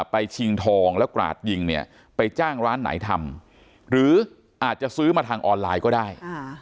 ชิงทองแล้วกราดยิงเนี่ยไปจ้างร้านไหนทำหรืออาจจะซื้อมาทางออนไลน์ก็ได้